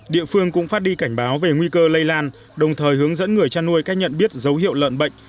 địa phương cũng phát đi cảnh báo về nguy cơ lây lan đồng thời hướng dẫn người chăn nuôi cách nhận biết dấu hiệu lợn bệnh